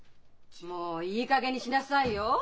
もういいかげんにしなさいよ。